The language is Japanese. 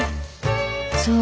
そう。